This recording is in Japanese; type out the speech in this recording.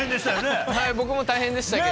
僕も大変でした。